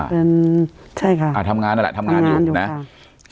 เป็นใช่ค่ะอ่าทำงานน่ะแหละทำงานอยู่ทำงานอยู่ค่ะ